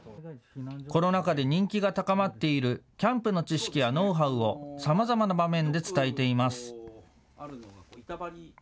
コロナ禍で人気が高まっているキャンプの知識やノウハウをさまざまな場面で伝えています。